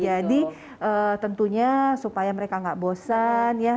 jadi tentunya supaya mereka nggak bosan ya